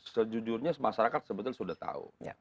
sejujurnya masyarakat sebetulnya sudah tahu